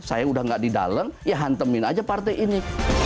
saya udah gak di dalam ya hantemin aja partai ini